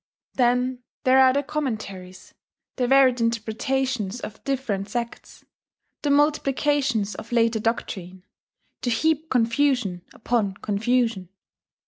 Then there are the commentaries, the varied interpretations of different sects, the multiplications of later doctrine, to heap confusion upon confusion.